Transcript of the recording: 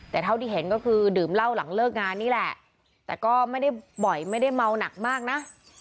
แต่เท่าที่เห็นก็คือดื่มเหล้าหลังเลิกงานนี่แหละแต่ก็ไม่ได้บ่อยไม่ได้เมาหนักมากนะ